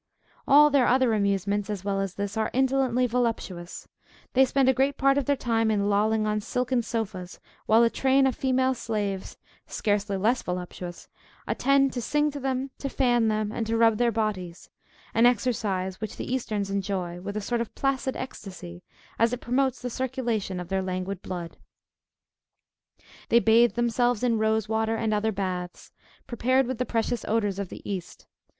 All their other amusements, as well as this, are indolently voluptuous. They spend a great part of their time in lolling on skien sofas; while a train of female slaves, scarcely less voluptuous, attend to sing to them, to fan them, and to rub their bodies; an exercise which the Easterns enjoy, with a sort of placid ecstasy, as it promotes the circulation of their languid blood. They bathe themselves in rose water and other baths, prepared with the precious odors of the East.